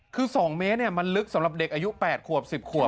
คือสองเนะเนี่ยมันลึกสำหรับเด็กอายุแปดขวบสิบขวบ